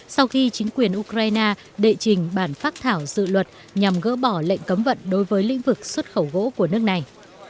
sau khi chính quyền ukraine đệ trình bản phát thảo dự luật nhằm gỡ bỏ lệnh cấm vận đối với lĩnh vực xuất khẩu gỗ của nước này